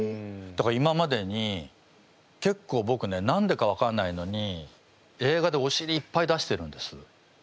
だから今までにけっこうぼくね何でか分かんないのに映画でおしりいっぱい出してるんです。